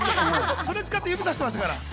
それ使って、指差してましたから。